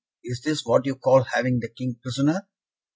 is this what you call having the King prisoner?"